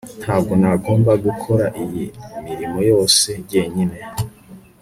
ntabwo nagomba gukora iyi mirimo yose njyenyine